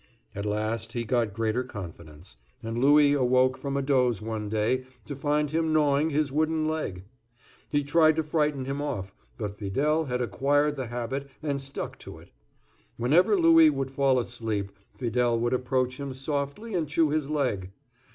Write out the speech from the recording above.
At last he got greater confidence; and Louis awoke from a doze one day to find him gnawing his wooden leg. He tried to frighten him off; but Fidele had acquired the habit and stuck to it. Whenever Louis would fall asleep, Fidele would approach him softly and chew his leg.